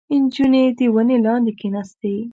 • نجونه د ونې لاندې کښېناستې.